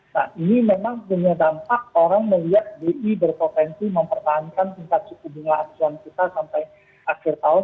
nah ini memang punya dampak orang melihat bi berpotensi mempertahankan tingkat suku bunga acuan kita sampai akhir tahun